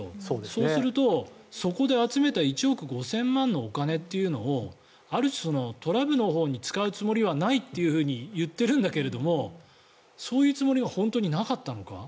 そうすると、そこで集めた１億５０００万円のお金をある種、トラブルのほうに使うつもりはないというふうに言っているんだけれどそういうつもりが本当になかったのか。